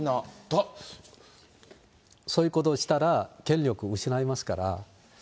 そういうことをしたら、権力失いますから。